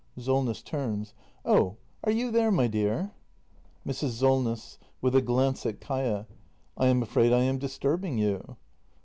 Solness. [Turns.] Oh, are you there, my dear ? Mrs. Solness. [With a glance at Kaia.] I am afraid I am disturbing you.